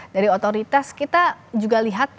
dari otoritas kita juga lihat